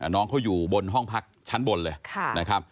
น้องเขาอยู่บนห้องพักชั้นบนเลย